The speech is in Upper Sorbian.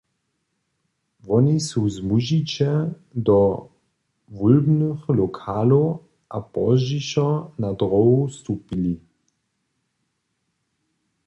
Woni su zmužiće do wólbnych lokalow a pozdźišo na dróhu stupili.